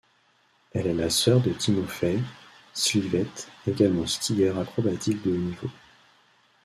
Elle est la sœur de Timofei Slivets également skieur acrobatique de haut niveau.